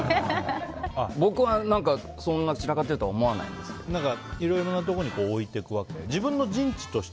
僕はそんなに散らかってるとはいろいろなところに置いていくわけ？